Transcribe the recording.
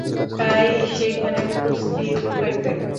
তাই সেখানে উপস্থিত থাকবেন।